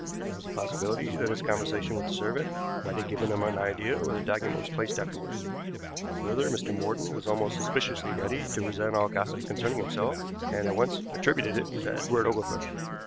There is a possibility that his conversation with the servant might have given him an idea where the document was placed afterward. Further, Mr. Morton was almost suspiciously ready to resent all gossip concerning himself, and at once attributed it to Edward Oglethorpe.